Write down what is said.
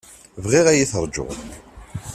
Bɣiɣ ad yi-terjuḍ.